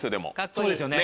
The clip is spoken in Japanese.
そうですよね。